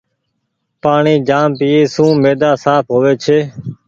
پآڻيٚ جآم پيئي سون ميدآ سآڦ هووي ڇي۔